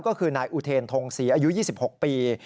ก็คือนายอุเทนทงศรีอายุ๒๖ปี